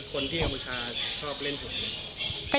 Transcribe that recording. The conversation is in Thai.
คนที่กำบุริชาชอบเล่นถูกไหม